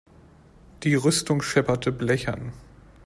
Die Rüstung schepperte blechern.